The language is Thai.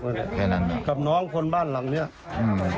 ก็แค่นั้นกับน้องคนบ้านหลังเนี้ยอืม